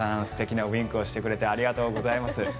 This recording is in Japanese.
素敵なウィンクをしてくれてありがとうございます。